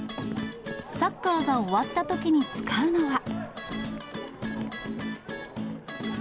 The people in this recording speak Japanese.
サッカーが終わったときに使うのは。